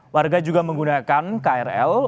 warga juga menggunakan krl